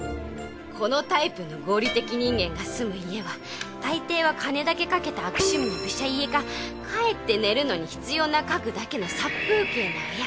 このタイプの合理的人間が住む家は大抵は金だけかけた悪趣味なぶしゃ家か帰って寝るのに必要な家具だけの殺風景な部屋。